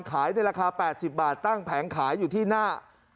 ขายในราคา๘๐บาทตั้งแผงขายอยู่ที่หน้า